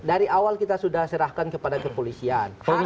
dari awal kita sudah serahkan kepada kepolisian